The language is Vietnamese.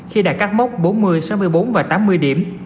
khi đã cắt mốc bốn mươi sáu mươi bốn và tám mươi điểm